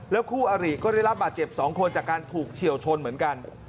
คู่อริก็ได้รับบาดเจ็บ๒คนจากการถูกเฉียวชนเหมือนกัน